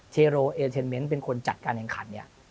เทโรเอเทนเมนต์เป็นคนจัดการแข่งขันเนี่ย